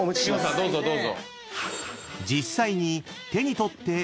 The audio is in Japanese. どうぞどうぞ。